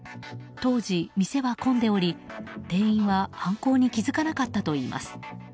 当時、店は混んでおり店員は犯行に気付かなかったといいます。